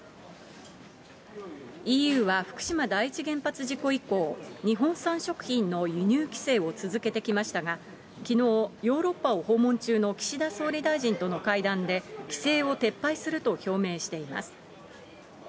ＥＵは福島第一原発事故以降、日本産食品の輸入規制を続けてきましたが、きのう、ヨーロッパを訪問中の岸田総理大臣との会談で、規制を撤廃すると表明しています。